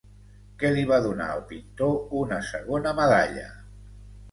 Què li va donar al pintor una segona medalla?